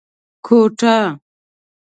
کوټه